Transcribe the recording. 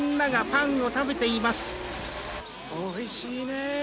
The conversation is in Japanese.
おいしいね。